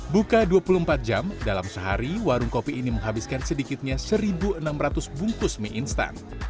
buka dua puluh empat jam dalam sehari warung kopi ini menghabiskan sedikitnya satu enam ratus bungkus mie instan